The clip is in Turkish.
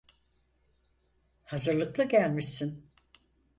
Hazırlıklı gelmişsin.